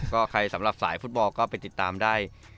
ก็ใครสำหรับสายฟุตบอลก็ไปติดตามได้